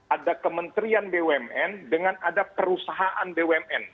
ada kementerian bumn dengan ada perusahaan bumn